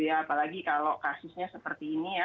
apalagi kalau kasusnya seperti ini ya